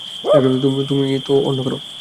তুমি তো অন্য কারও।